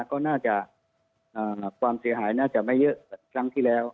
ก็น่าจะความเสียหายน่าจะไม่เยอะแบบครั้งที่แล้ว